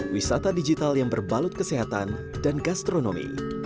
wisata digital yang berbalut kesehatan dan gastronomi